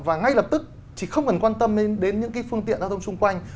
và ngay lập tức chỉ không cần quan tâm đến những cái phương tiện giao thông xung quanh